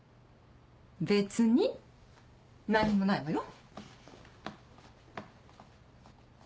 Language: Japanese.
別に何にもないわよ。